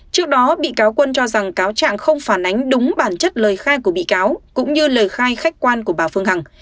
trước đó bị cáo quân cho rằng cáo trạng không phản ánh đúng bản chất lời khai của bị cáo cũng như lời khai khách quan của bà phương hằng